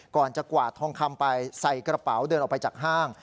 ก่อนจะกวาดทองคำไปใส่กระเป๋าเดินออกไปจากห้าง